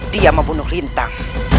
dia membunuh lintang